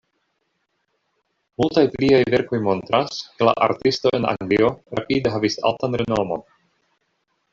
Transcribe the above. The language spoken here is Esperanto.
Multaj pliaj verkoj montras, ke la artisto en Anglio rapide havis altan renomon.